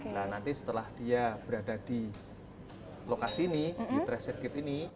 nanti setelah dia berada di lokasi ini di tracet circuit ini